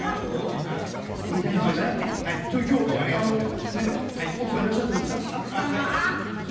今日、奥さんいらっしゃってるんですか？